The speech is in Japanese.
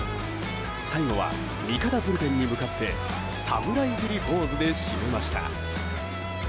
最後は味方ブルペンに向かって侍斬りポーズで締めました。